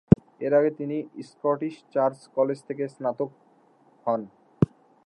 এর আগে তিনি স্কটিশ চার্চ কলেজ থেকে স্নাতক হন।